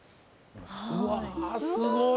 うわすごい。